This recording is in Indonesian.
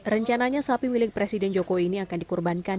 rencananya sapi milik presiden jokowi ini akan dikurbankan